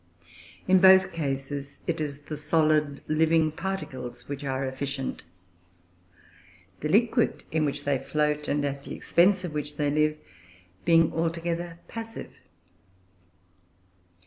In both cases it is the solid living particles which are efficient; the liquid in which they float, and at the expense of which they live, being altogether passive.